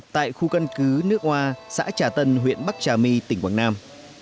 tại khu cân cứ nước hoa xã trà tân huyện bắc trà my tỉnh quảng nam